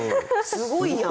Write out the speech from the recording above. すごいやん！